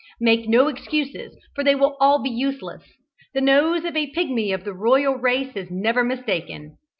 Make no excuses, for they will all be useless. The nose of a Pigmy of the royal race is never mistaken.